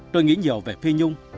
tôi nghĩ nhiều về phi nhung